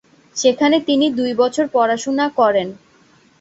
সেখানে তিনি দুই বছর পড়াশোনা করেন।